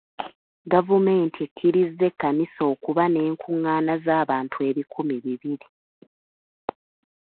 Gavumenti ekkirizza ekkanisa okuba n'enkungaana z'abantu ebikumi bibiri.